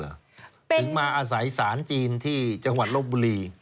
ถึงมาอาศัยศาลจีนที่จังหวัดลบบุรี